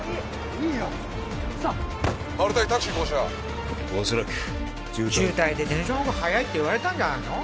いいよクソッマルタイタクシー降車恐らく渋滞渋滞で電車の方が早いって言われたんじゃないの？